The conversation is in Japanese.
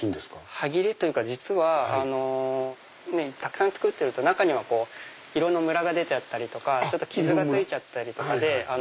端切れというか実はたくさん作ってると中には色のむらが出ちゃったりとか傷がついちゃったりとかで。